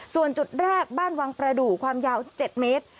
ส่วนจุดแรกบ้านวังประดูกความยาว๗เมตร